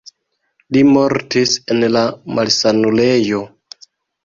Li mortis en la malsanulejo.